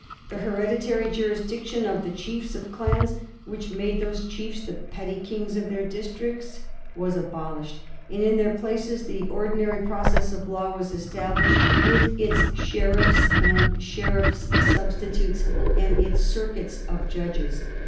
The hereditary jurisdiction of the chiefs of clans, which made those chiefs the petty kings of their districts, was abolished, and in their places the cr»liaary process of law was established, with its sheriffs 1788. "BONNIE PRINCE CHARLIE." 233 and sheriffs' substitutes, and its circuits of judges.